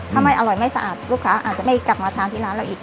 ถ้าไม่อร่อยไม่สะอาดลูกค้าอาจจะไม่กลับมาทานที่ร้านเราอีก